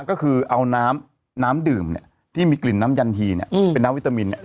ก็คือเอาน้ำน้ำดื่มเนี่ยที่มีกลิ่นน้ำยันทีเนี่ยเป็นน้ำวิตามินเนี่ย